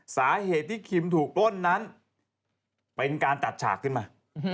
สาเหตุที่คิมถูกปล้นนั้นเป็นการจัดฉากขึ้นมา